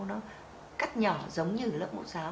nó cắt nhỏ giống như lớp một giáo